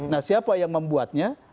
nah siapa yang membuatnya